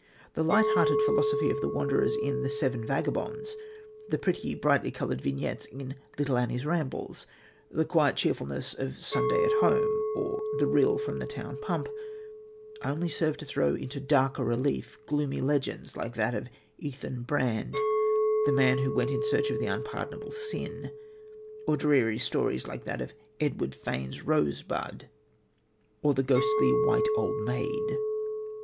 The light hearted philosophy of the wanderers in The Seven Vagabonds, the pretty, brightly coloured vignettes in Little Annie's Rambles, the quiet cheerfulness of Sunday at Home or The Rill from the Town Pump, only serve to throw into darker relief gloomy legends like that of Ethan Brand, the man who went in search of the Unpardonable Sin, or dreary stories like that of Edward Fane's Rosebud, or the ghostly White Old Maid.